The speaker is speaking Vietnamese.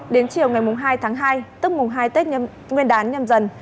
đến chiều ngày hai tháng hai tức mùng hai tết nguyên đán nhâm dần